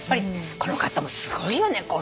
この方もすごいよね。